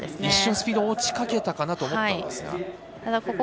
一瞬スピードが落ちかけたかなと思ったんですが。